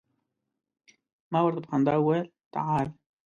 ما ورته په خندا وویل تعال.